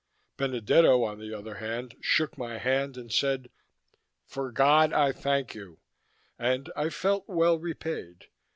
Benedetto, on the other hand, shook my hand and said: "For God, I thank you," and I felt well repaid.